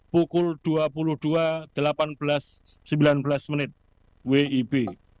pukul dua puluh dua sembilan belas wib